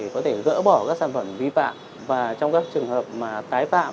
có thể gỡ bỏ các sản phẩm vi phạm và trong các trường hợp tái phạm